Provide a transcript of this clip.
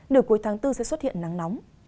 nửa cuối tháng bốn sẽ xuất hiện nắng nóng